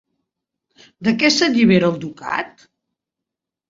De què s'allibera el ducat?